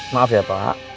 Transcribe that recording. maaf ya pak